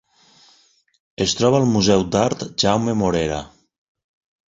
Es troba al Museu d'Art Jaume Morera.